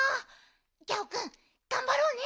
ギャオくんがんばろうね！